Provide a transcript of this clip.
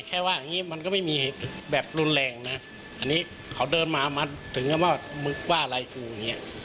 แค่ว่าอย่างนี้มันก็ไม่มีเหตุแบบรุนแรงนะอันนี้เขาเดินมามาถึงก็ว่ามึงว่าอะไรกูอย่างเงี้ย